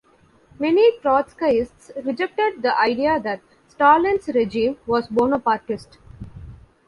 Many Trotskyists rejected the idea that Stalin's regime was Bonapartist.